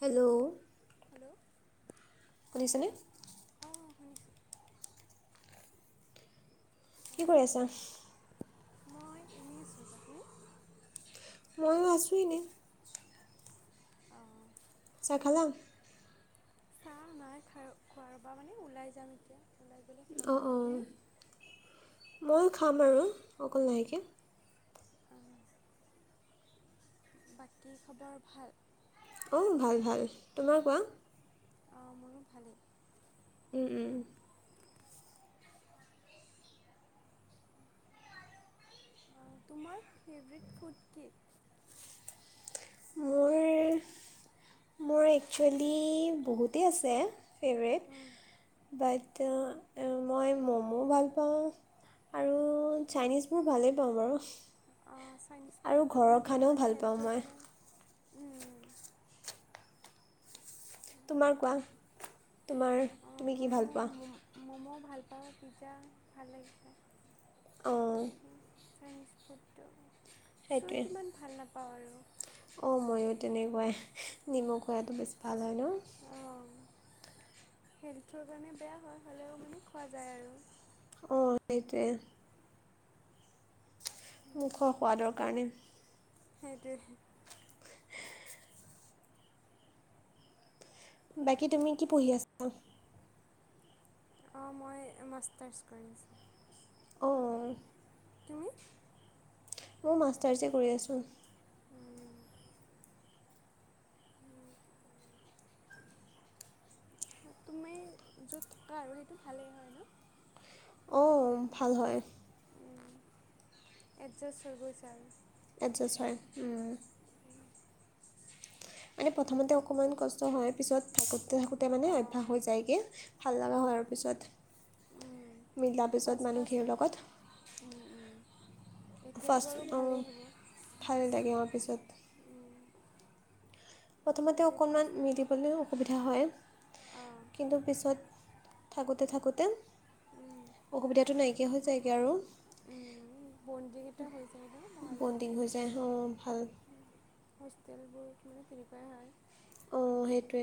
Hello [inaudible] ছেনে? অঁ শুনিছোঁ কি অঁ কৰি আছা? মই এনে আছোঁ। তুমি? মইয়ো আছো এনে। অহ। চাহ খালাং? চাহ নাই খাইয় খোৱাৰ পা মানে ওলাই যাম এতিয়া। ওলাই কেনে খাম অঁ আৰু অঁ তুমি। ময়ো খাম আৰু অকন লাহেকে। অঁ, বাকী খবৰ ভাল? অ ভাল ভাল। তোমাৰ কোৱা? অ মোৰো ভালেই। উম উম তোমাৰ ফেভৰেট ফুড কি? মোৰ মোৰ একচুৱেলি বহুতেই আছে। ফেভৰেট। উম, বাট মই ম'মো ভাল পাওঁ আৰু চাইনিজবোৰ ভালেই পাওঁ বাৰু। অ চাইনিজ আৰু ফুডটো ঘৰৰ ভালেই খানাও হয়, ভাল পাওঁ হেল্থৰ মই কাৰণে উম, তোমাৰ কোৱা তোমাৰ অঁ তুমি কি ভাল ময়ো পোৱা? ম'ম' ম'ম' ভাল পাওঁ পিজ্জা ভাল লাগি যায়। অঁ [inaudible] চাইনিজ ফুডটো চুইত ইমান ভাল নাপা আৰু অ ময়ো তেনেকুৱাই নিমখ খোৱাটো বেছি ভাল হয়। ন অঁ হেল্থৰ কাৰণে বেয়া হয় হলেও মানে খোৱা যায় আৰু অ সেইটোৱে মুখৰ সোৱাদৰ কাৰণে সেইটোৱে বাকী তুমি কি পঢ়ি আছা? অ মই মাষ্টাৰ্ছ কৰিছোঁ। অ তুমি মোৰ মাষ্টাৰছে কৰি আছোঁ। তুমি য'ত থকা আৰু সেইটো ভালেই হয় ন? অ ভাল হয়। এডজাষ্ট হৈ গৈছে আৰু এডজাষ্ট হয়। মানে প্ৰথমতে অকমান কষ্ট হয়, পিছত থাকো থকোতে থাকোতে মানে অভ্যাস অঁ হৈ যায়গে ভাল লগা অঁ হোৱাৰ পিছত, মিলাৰ ফাৰ্ষ্ট পিছত ফাৰ্ষ্ট মানুহখীৰ লগত এতিয়াতো ফাৰ্ষ্ট আৰু ভালেই হ'ব ভালে লাগে তাৰ পিছত প্ৰথমতে সেইটোৱে অকনমান ফাৰ্ষ্ট মিলিবলৈ অসুবিধা হয় অঁ কিন্তু পিছত থাকোতে থাকোতে অসুবিধাটো নাইকিয়া হৈ যায়গে আৰু, বণ্ডিং এটা হৈ যায় ন ভালকৈ বণ্ডিং হৈ যায় অ ভাল হোষ্টেলবোৰ মানে তেনেকুৱাই হয়। অ সেইটোৱে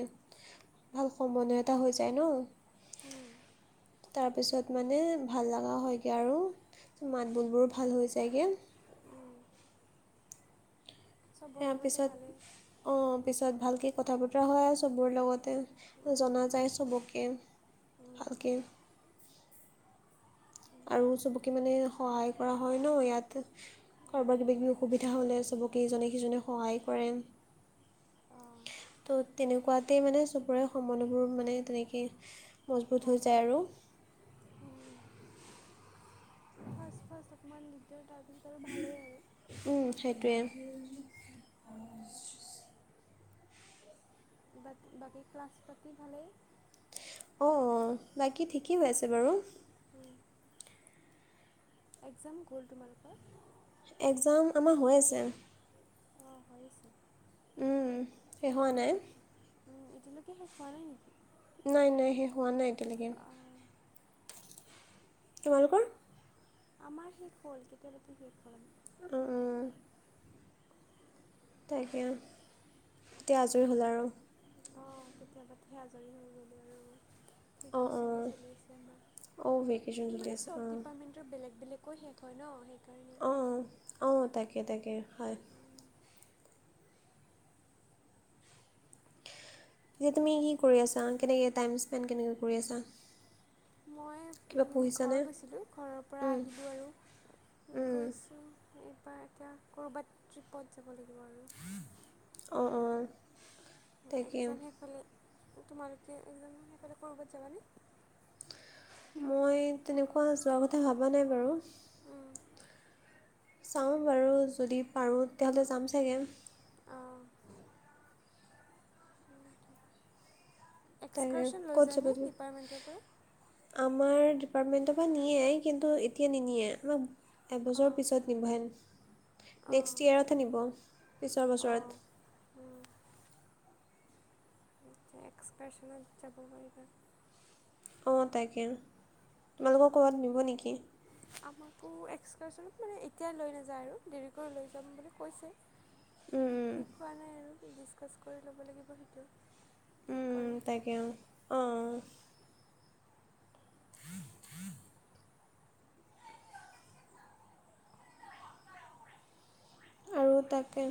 ভাল সম্বন্ধ এটা হৈ যায় ন। উম, তাৰপিছত মানে ভাল লগা হয়গে আৰু মাত বুলবোৰো ভাল হৈ যায়গে। উম, চবৰ ইয়াৰ লগতে পিছত, ভালেই। অৱ পিছত ভালকে কথা বতৰা হয়, চবৰে লগতে উম, জনা যায় চবকে, উম, ভালকে আৰু উম, চবকে মানে সহায় কৰা হয় ন ইয়াত কাৰবাক কিবািবি অসুবিধা তেতিয়া হ'লে চবকে ইজনে সিজনে সহায় কৰে, অঁ, তৌ' তেনেকুৱাতে মানে চবৰে সমানবোৰ মানে তেনেকেই মজবুত হৈ ভাল যায় হয়। আৰু উম, ফাৰ্ষ্ট ফাৰ্ষ্ট অকমান দিকদাৰ উম সেইটোৱে [unintelligible] বাতি বাকী ক্লাছ পাতি ভালেই অ বাকী ঠিকেই হৈ আছে বাৰু এ্কজাম গ'ল তোমালোকৰ এক্জাম আমাৰ হৈ আছে। অ হৈ আছে। শেষ হোৱা নাই উম এতিয়ালৈকে শেষ হোৱা নাই নেকি? নাই নাই সেই হোৱা নাই এতিয়ালৈকে অঁ। তোমালোকৰ? আমাৰ শেষ হ'ল কেতিয়াবাতেই শেষ হ'ল। উম উম অ তাকে এতিয়া আজৰি হ'ল আৰু অঁ কেতিয়াবাতেই আজৰি হৈ গ'লো অঁ আৰু শিনি অঁ চলি আছে আমাৰ অঁ ভেকেশ্যন চলি মানে আছে চব অঁ ডিপাৰ্টমেন্টৰ বেলেগ বেলেগ আকৌ শেষ হয় ন শেষ অৱ অৱ তাকে তাকে হয় এতিয়া তুমি কি কৰি আছা কেনেকৈ টাইম স্পেণ্ড কেনেকৈ কৰি আছা? মই কিবা ঘৰ গৈছিলোঁ ঘৰৰ পৰা পঢ়িছানে আহিলোঁ আৰু গৈছোঁ ত এতিয়া ক'ৰবাত ট্ৰিপত যাব লাগিব। অৱ অৱ একগজাম শেষ হ'লে তোমালোকে এক্জাম শেষ হ'লে ক'ৰবাত যাবানে? মই তেনেকুৱা যোৱাৰ কথা ভবা নাই বাৰু। উম চাওঁ বাৰু যদি পাৰোঁ তেতিয়াহ'লে যাম চাগে। অঁ তাকে এক্সকাৰচন লৈ ক'ত যাবা যানে তুমি ডিপাৰ্টমেণ্টৰ পৰা? আমাৰ ডিপাৰ্টমেণ্টৰ পৰা নিয়ে কিন্তু এতিয়া নিনিয়ে আমাৰ এবছৰৰ অঁ পিছত নিব হেন অঁ নেক্সট ইয়েৰত নিব, পিছৰ অঁ বছৰত এক্সক্ৰশনত যাব পাৰিবা। অৱ তাকে, তোমালোকৰ ক'ৰবাত নিব নেকি? আমাকো এক্সকাৰচনত মানে এতিয়াই লৈ নাযায় আৰু দেৰিকৈ লৈ যাম বুলি কৈছে। উম, উম, ঠিক হোৱা নাই আৰু ডিছকাছ কৰি ল'ব লাগিব সেইটো। কি উম কৰে উম তাকে অৱ, অৱ'-অৱ। আৰু তাকে।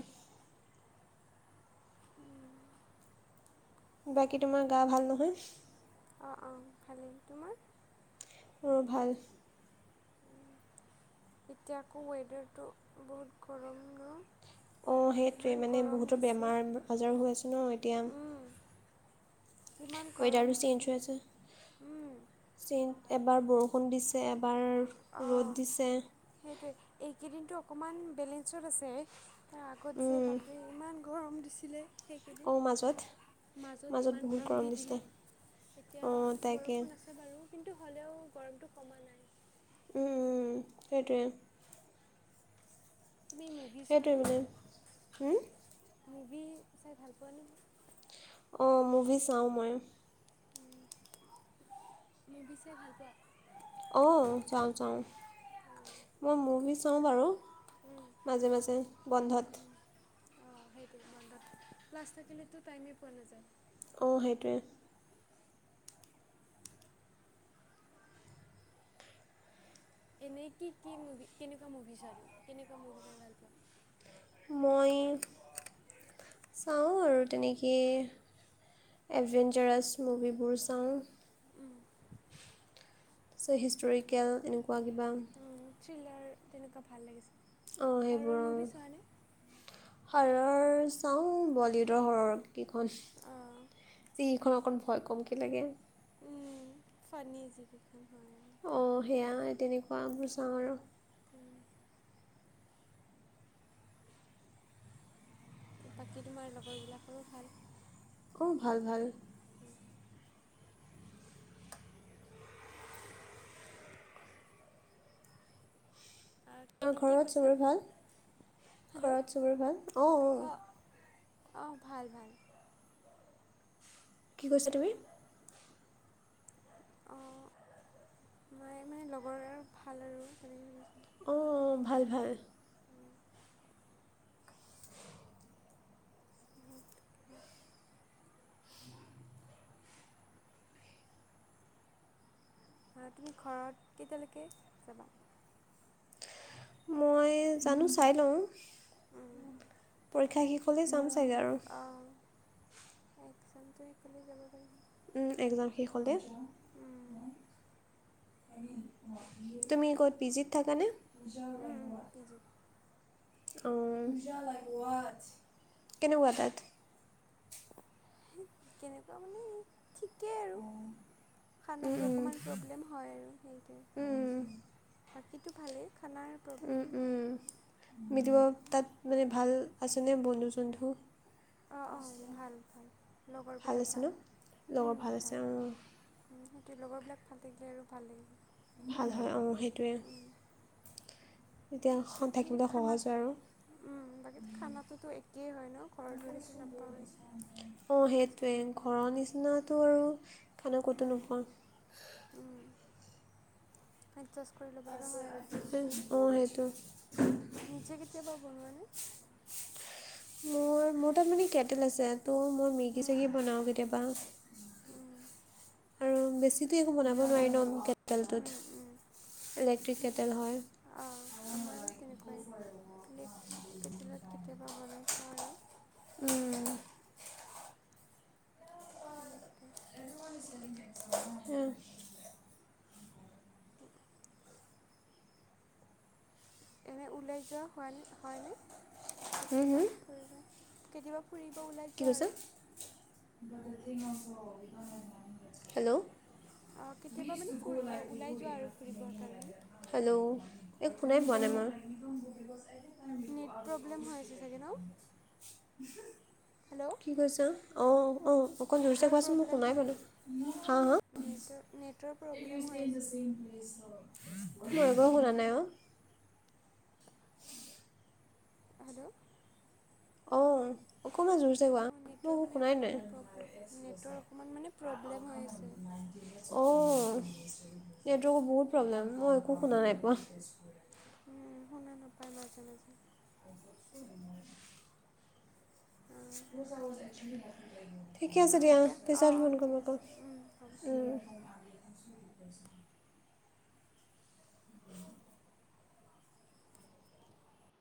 বাকী তোমাৰ গা ভাল নহয়। অ'-অ' ভালেই তোমাৰ। অ' ভাল। এতিয়া আকৌ ৱেডাৰটো বহুত গৰম ন'? অ' সেইটোৱে ইমান মানে গৰম বহুতো দিছে বেমাৰ-আজাৰ হৈ আছে ন এতিয়া। কিমান গৰম ৱেডাৰটো চেঞ্জ দিছে। হৈ আছে ওম চেঞ্জ এবাৰ বৰষুণ দিছে এ- বাৰ ৰ'দ দিছে। কেইদিনটো অকণমান বেলেঞ্চত আছে। তাৰ আগত যে উম, বাপৰে ইমান গৰম দিছিলে। অঁ মাজত সেইকেইদিন মাজত ইমান গৰম দি দিলে এতিয়া অঁ তাকে বৰষুণ আছে বাৰু। কিন্তু হ'লেও গৰমটো কমা নাই। উ-উ সেইটোৱে। তুমি মুভি চোৱা সেইটোৱে নে? মানে হুম? মুভি চাই ভাল পোৱা নে? অ মুভি চাও মই। মুভি চাই ভাল পোৱা। অ' যাও-যাও, মই মুভি চাও বাৰু। অঁ মাজে-মাজে বন্ধত। অ' সেইটোৱে বন্ধত, ক্লাছ থাকিলেতো টাইমে পোৱা নাযায়। অ' সেইটোৱে। এনেই কি কি মুভি, কেনেকুৱা মুভিছ আৰু কেনেকুৱা মুভি চাই ভাল পোৱা? মই চাও আৰু তেনেকে এডভেঞ্চাৰাছ মুভিবোৰ চাও। আছে হিষ্ট্ৰিৰিকেল। কোৱা কিবা। থ্ৰিলাৰ মানে তেনেকুৱা ভাল লাগিছিল। অ' সেইবোৰ অ' হৰৰ - হৰৰ চাও বলিউডৰ হৰৰ কেইখন। যিকেইখন অকণ ভয় কমকৈ লাগে। ফানিজি যি কিখন হয়। আৰু। অ' সেয়া তেনেকুৱা বোৰ চাও আৰু। বাকী তোমাৰ লগৰবিলাকৰো ভাল? অ' ভাল-ভাল। অ' কি ঘৰত কৈছা? চবৰ ভাল? হেল্ল'। ঘৰত চবৰে ভাল? অ' -অ'। অহ ভাল-ভাল। কি কৈছা তুমি? অ মাই মানে লগৰ আৰু ভাল আৰু তেনেকে কৈছে। অ ভাল ভাল। [inaudible] তুমি ঘৰত কেইতিয়ালেকে যাবা? [unintelligible] মই জানো চাই লওঁ। পৰীক্ষা শেষ। কলে যাওঁ। অ একচেম তই কলে যাব। পাৰিম এক্জাম শেষ হ'লে, তুমি ক'ত পিজিত থাকানে? [inaudible] পি জি কেনেকুৱা তাত? কেনেকুৱা মানেই ঠিকেই আৰু উম খানাটো উম অকণমান প্ৰব্লেম হয় আৰু সেইটোৱে উম, বাকীটো ভালেই। খানাৰ উম প্ৰব্লেম উম হয় মিলিব তাত মানে ভাল আছেনে বন্ধু চন্ধু? অঁ অঁ ভাল ভাল লগৰবিলাক আছে ন ভাল ভাল লগৰ আছে অঁ ওম ভাল লগৰবিলাক ভাল থাকিলে আৰু ভাল লাগিব। ভাল হয়। অ সেইটোৱে তেতিয়া স- বাকী থাকিবলৈ খানা সহজ হয় আৰু ওম বাকী খানাটোতো একেই হয় ন ঘৰৰ দৰেতো নাপাওঁৱেই অঁ সেইটোৱে হোষ্টেলত ঘৰৰ নিচিনাতো [unintelligible] [inaudible] খানা ক'তো নোপোৱা। আ্ছা [unintelligible] অ সেইটো উম নিজে কেতিয়াবা বনোৱা নে? মোৰ মোৰ তাত মানে কেটেল আছে। তো মই মেগী উম, চেগী বনাওঁ কেতিয়াবা। উম আৰু বেছিতো একো বনাব নোৱাৰিলো ন [unintelligible] উম উম ইলেক্ট্ৰিক কেটেল হয় অ আমাৰো তেনেকুৱাই ইলেকট্ৰিক কেটলত কেতিয়াবা বনাই খা আৰু [unintelligible] উম তেনেতে হে [unintelligible] এনেই ওলাই যোৱা হয়নে হয়নে হুম কেতিয়াবা হুম ফুৰিব কেতিয়াবা ফুৰিব ওলাই কি যোৱা কৈছে আৰু হেল্ল' অ', কেতিয়াবা মানে ফুৰি অঁ, ওলাই যোৱা আৰু ফুৰিবৰ কাৰণে। হেল্ল' এই শুনাই পোৱা নাই হেল্ল' মই নেট প্ৰব্লেম হৈ আছে চাগে ন? হেল্ল' [unintelligible] কি কৈছা অ অঁ অকণ জোৰছে নেটৰ কোৱাচোন মই প্ৰব্লেম শুনাই হয় পোৱা নাই হাঁ হা নেটৰ নেটৰ মই প্ৰব্লেম হৈ আছে এবাৰো শুনা নাই অ হেল্ল' অ' অকণমান জোৰচে কোৱা অঁ মই নেটৰ একো মানে শুনাই নাই অকণমান প্ৰব্লেম নেটৰ অকণমান মানে প্ৰব্লেম হৈ আছে অ সেইকাৰণে নেটৱক বহুত প্ৰব্লেম মই একো শুনা নাই উম, পোৱা উম, শুনা নাপায় মাজে মাজে অঁ [unintelligible] ঠিকে আছে অঁ দিয়া অঁ পাছত অঁ ফোন কৰিম ঠিক আকৌ আছে উম, হ'ব [unintelligible]